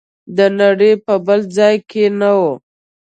د نړۍ په بل ځای کې نه و.